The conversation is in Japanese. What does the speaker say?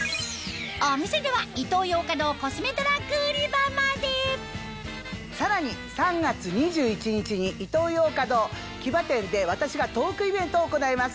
お店ではさらに３月２１日にイトーヨーカドー木場店で私がトークイベントを行います。